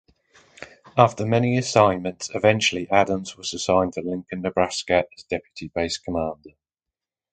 After many assignments eventually Adams was assigned to Lincoln Nebraska as Deputy Base Commander.